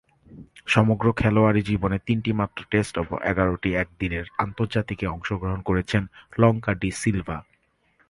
সমগ্র খেলোয়াড়ী জীবনে তিনটিমাত্র টেস্ট ও এগারোটি একদিনের আন্তর্জাতিকে অংশগ্রহণ করেছেন লঙ্কা ডি সিলভা।